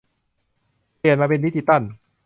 เปลี่ยนมาเป็นดิจิทัล